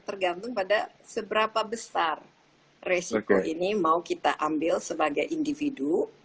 tergantung pada seberapa besar resiko ini mau kita ambil sebagai individu